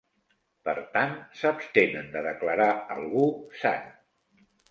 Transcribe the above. Per tant, s'abstenen de declarar algú sant.